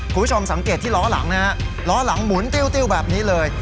ผู้ชมสังเกตที่ร้อหลังร้อหลังหมุนติวแบบนี้เลย